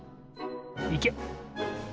いけ！